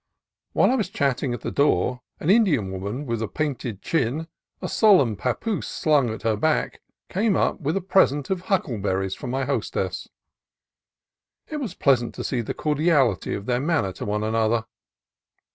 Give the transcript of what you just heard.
While I was chatting at the door, an Indian woman with painted chin, a solemn papoose slung at her back, came up with a present of huckleberries for my hostess. It was pleasant to see the cordiality of their manner to one another.